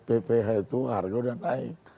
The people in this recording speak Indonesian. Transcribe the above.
pph itu harga sudah naik